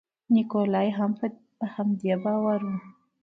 نیکولای هم په همدې باور و.